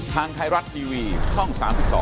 ทางไทยรัฐทีวีช่อง๓๒